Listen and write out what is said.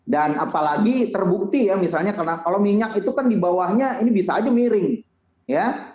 dan apalagi terbukti ya misalnya karena kalau minyak itu kan dibawahnya ini bisa aja miring ya